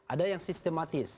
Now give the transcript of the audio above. ada yang sistematis